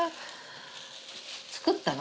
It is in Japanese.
作ったの？